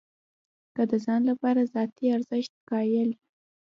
که د ځان لپاره ذاتي ارزښت قایل یو.